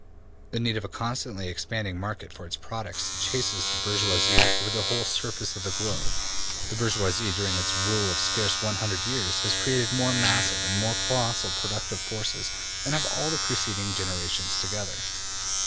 '' ``The need of a constantly expanding market for its products chases the bourgeoisie over the whole surface of the globe.'' ``The bourgeoisie, during its rule of scarce one hundred years, has created more massive and more colossal productive forces than have all preceding generations together.''